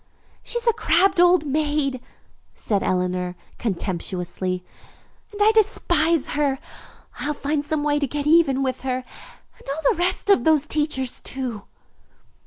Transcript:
"She is a crabbed old maid," said Eleanor contemptuously, "and I despise her. I'll find some way to get even with her, and all the rest of those teachers, too."